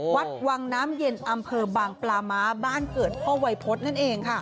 วัดวังน้ำเย็นอำเภอบางปลาม้าบ้านเกิดพ่อวัยพฤษนั่นเองค่ะ